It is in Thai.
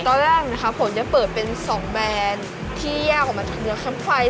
ตอนแรกนะคะผมจะเปิดเป็น๒แบรนด์ที่แยกออกมาจากเนื้อค้ำไฟ